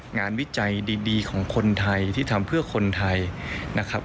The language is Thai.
วิจัยดีของคนไทยที่ทำเพื่อคนไทยนะครับ